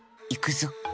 いくぞ。